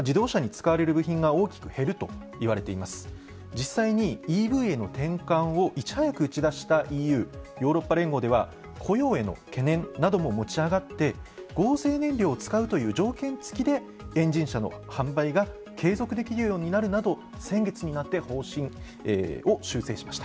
実際にＥＶへの転換をいち早く打ち出したＥＵヨーロッパ連合では雇用への懸念なども持ち上がって合成燃料を使うという条件付きでエンジン車の販売が継続できるようになるなど先月になって方針を修正しました。